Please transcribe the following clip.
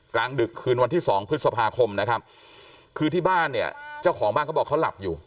กลางดึกคืนวันที่สองพฤษภาคมนะครับคือที่บ้านเนี่ยเจ้าของบ้านเขาบอกเขาหลับอยู่